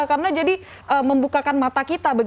karena jadi membukakan mata kita